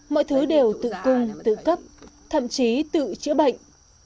mọi thứ đều tự cung tự cấp thậm chí tự chữa bệnh